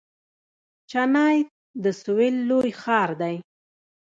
چنای د سویل لوی ښار دی.